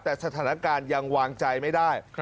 แต่สถานการณ์ยังวางใจไม่ได้